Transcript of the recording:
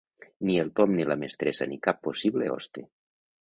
Ni el Tom ni la mestressa ni cap possible hoste.